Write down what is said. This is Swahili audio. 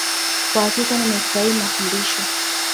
Kwa hakika nimefurahia mafundisho.